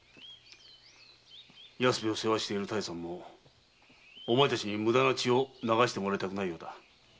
安兵衛を世話している多江さんもお前たちに無駄な血を流してもらいたくないようだ。